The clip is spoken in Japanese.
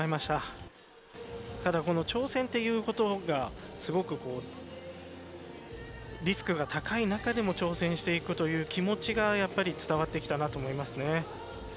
ただ、この挑戦っていうことがすごく、リスクが高い中でも挑戦していくという気持ちが伝わってきたなと思いますね。